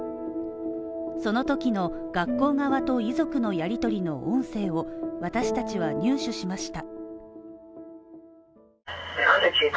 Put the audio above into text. そのときの学校側と遺族のやりとりの音声を、私達は入手しました。